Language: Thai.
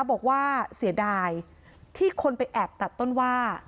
บอกว่าเสียดายที่คนไปแอบตัดต้นว่า